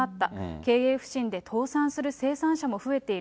経営不振で倒産する生産者も増えている。